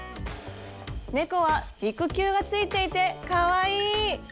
猫は肉球がついていてかわいい！